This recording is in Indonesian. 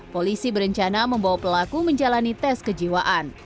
polisi berencana membawa pelaku menjalani tes kejiwaan